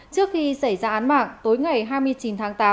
trước khi xảy ra án mạng tối ngày hai mươi chín tháng tám